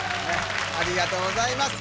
ありがとうございます